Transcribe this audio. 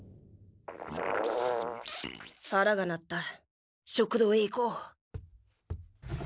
はらがなった食堂へ行こう。